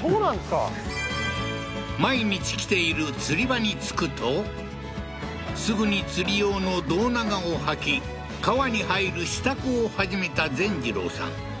そうなんですか毎日来ている釣り場に着くとすぐに釣り用の胴長をはき川に入る支度を始めた善次郎さん